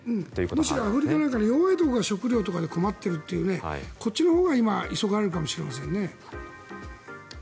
むしろアフリカとか弱いところが食糧とかで困っているというこっちのほうが今、急がれるかもしれません。